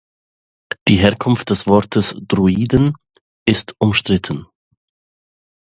Die Herkunft des Wortes „"Druiden"“ ist umstritten.